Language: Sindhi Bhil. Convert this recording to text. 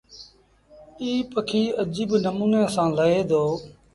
ايٚ پکي اجيب نموٚني سآݩ لهي دو۔